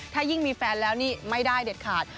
ถ้ายิ่งมีแฟนแล้วนี่ไม่ได้เด็ดขาด